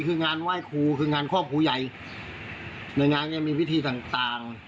คืองานไหว้ครูคืองานครอบครูใหญ่ในงานเนี้ยมีพิธีต่างต่าง